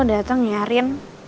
udah dateng ya rin